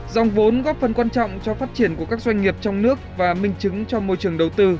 dòng vốn góp phần quan trọng cho phát triển của các doanh nghiệp trong nước và minh chứng cho môi trường đầu tư